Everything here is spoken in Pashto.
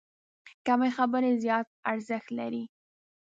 کمې خبرې، زیات ارزښت لري.